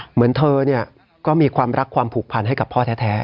เหมือนเธอก็มีความรักความผูกพันให้กับพ่อแท้